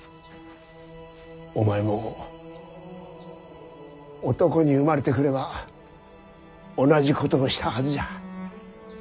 お前も男に生まれてくれば同じことをしたはずじゃ。